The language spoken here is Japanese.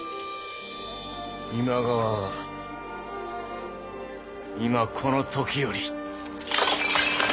今川は今この時より。